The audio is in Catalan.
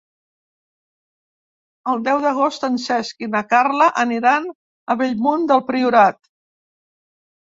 El deu d'agost en Cesc i na Carla aniran a Bellmunt del Priorat.